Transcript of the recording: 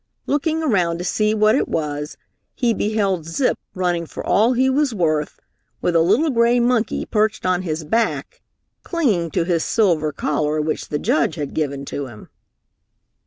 Looking around to see what it was, he beheld Zip running for all he was worth, with a little gray monkey perched on his back, clinging to his silver collar which the Judge had given to him.